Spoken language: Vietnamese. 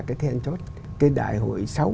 cái thiên chốt cái đại hội xấu